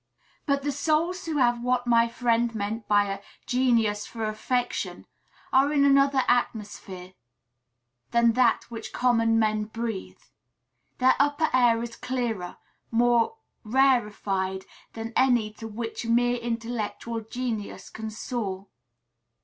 But the souls who have what my friend meant by a "genius for affection" are in another atmosphere than that which common men breathe. Their "upper air" is clearer, more rarefied than any to which mere intellectual genius can soar.